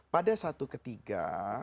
pada satu ketiga